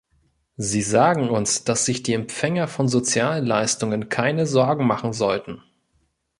Sie sagen uns, dass sich die Empfänger von Sozialleistungen keine Sorgen machen sollten.